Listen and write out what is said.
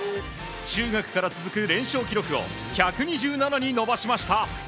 中学から続く連勝記録を１２７に伸ばしました。